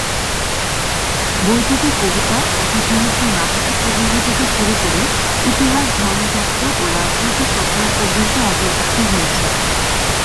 বইটিতে কবিতা, কথাসাহিত্য, নাটক ও প্রবন্ধ থেকে শুরু করে ইতিহাস, ধর্মতত্ত্ব ও রাজনৈতিক রচনা পর্যন্ত অন্তর্ভুক্ত হয়েছে।